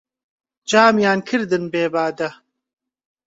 جامیان کردن بێ بادە